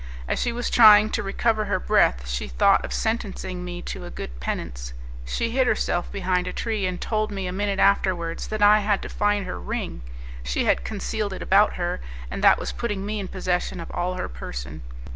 As she was trying to recover her breath, she thought of sentencing me to a good penance: she hid herself behind a tree and told me, a minute afterwards, that I had to find her ring. She had concealed it about her, and that was putting me in possession of all her person.